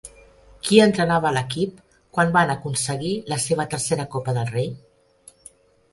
Qui entrenava l'equip quan van aconseguir la seva tercera Copa del Rei?